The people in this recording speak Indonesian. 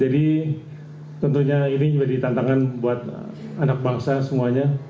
jadi tentunya ini menjadi tantangan buat anak bangsa semuanya